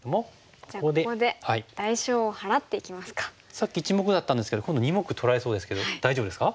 さっき１目だったんですけど今度２目取られそうですけど大丈夫ですか？